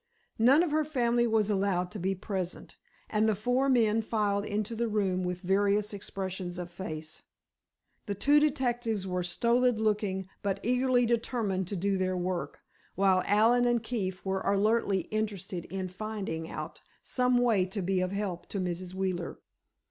None of her family was allowed to be present, and the four men filed into the room with various expressions of face. The two detectives were stolid looking, but eagerly determined to do their work, while Allen and Keefe were alertly interested in finding out some way to be of help to Mrs. Wheeler.